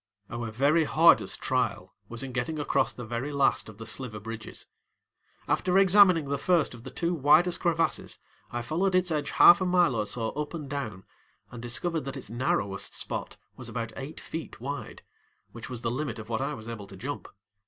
Our very hardest trial was in getting across the very last of the sliver bridges. After examining the first of the two widest crevasses, I followed its edge half a mile or so up and down and discovered that its narrowest spot was about eight feet wide, which was the limit of what I was able to jump.